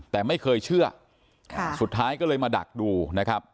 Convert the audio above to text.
แต่ไม่เคยเชื่อสุดท้ายก็เลยมาดักดูนะครับ